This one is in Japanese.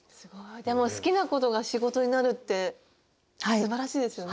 でも好きなことが仕事になるってすばらしいですよね。